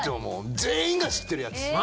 全員が知ってるやつ。